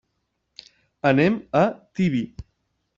Anem a Tibi.